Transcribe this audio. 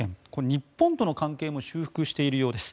日本との関係も修復しているようです。